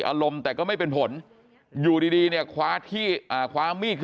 อารมณ์แต่ก็ไม่เป็นผลอยู่ดีเนี่ยคว้าที่คว้ามีด